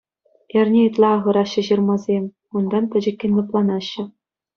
Эрне ытла ахӑраҫҫӗ ҫырмасем, унтан пӗчӗккӗн лӑпланаҫҫӗ.